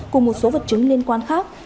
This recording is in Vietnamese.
cùng một số vật chứng liên quan khác